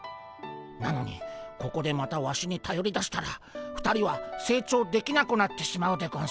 なのにここでまたワシにたよりだしたら２人は成長できなくなってしまうでゴンス。